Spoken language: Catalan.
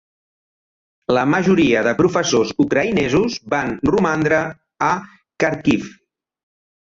La majoria de professors ucraïnesos van romandre a Kharkiv.